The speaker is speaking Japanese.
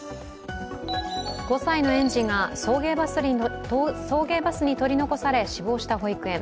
５歳の園児が送迎バスに取り残され死亡した保育園。